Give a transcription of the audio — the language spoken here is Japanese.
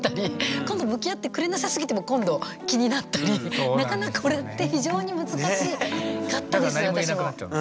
今度向き合ってくれなさすぎても今度気になったりなかなかこれってだから何も言えなくなっちゃう。